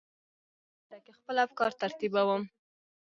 زه د خدای د رضا په لټه کې خپل افکار ترتیبوم.